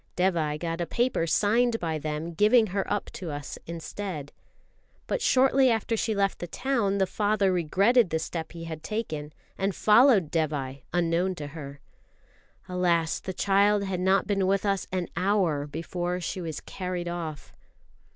Dévai got a paper signed by them giving her up to us instead. But shortly after she left the town, the father regretted the step he had taken, and followed Dévai, unknown to her. Alas, the child had not been with us an hour before she was carried off.